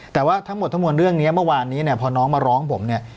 แต่ว่าทั้งหมดทั้งมวลเรื่องนี้เมื่อวานนี้เนี่ยพอน้องมาร้องผมเนี่ย